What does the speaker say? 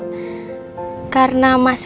tapi kiki senang banget